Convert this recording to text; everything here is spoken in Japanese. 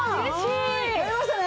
やりましたね！